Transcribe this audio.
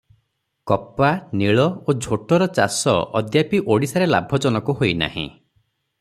କପା, ନୀଳ ଓ ଝୋଟର ଚାଷ ଅଦ୍ୟାପି ଓଡ଼ିଶାରେ ଲାଭଜନକ ହୋଇ ନାହିଁ ।